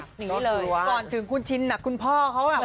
แต่วันนี้จะเจอน้องเดมี่นะ